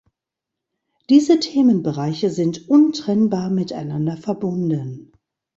Diese Themenbereiche sind untrennbar miteinander verbunden.